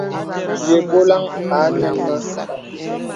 Yə bɔlaŋ a nɛŋ mə.